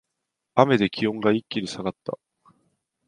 雨で気温が一気に下がった